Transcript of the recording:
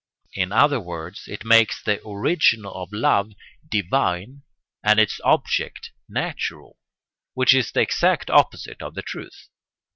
In other words, it makes the origin of love divine and its object natural: which is the exact opposite of the truth.